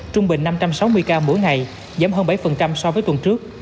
trung bình năm trăm sáu mươi ca mỗi ngày giảm hơn bảy so với tuần trước